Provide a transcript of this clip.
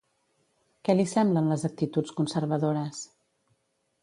Què li semblen les actituds conservadores?